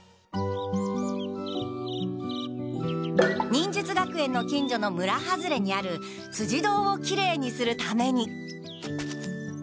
忍術学園の近所の村外れにあるつじどうをきれいにするために。